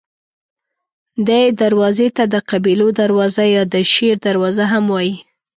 دې دروازې ته د قبیلو دروازه یا د شیر دروازه هم وایي.